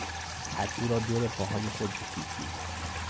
پتو را دور پاهای خود پیچید.